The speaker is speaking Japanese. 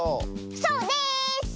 そうです！